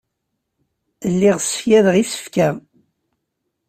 Lliɣ ssekyadeɣ isefka.